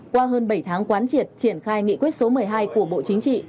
qua hơn bảy tháng quán triệt triển khai nghị quyết số một mươi hai của bộ chính trị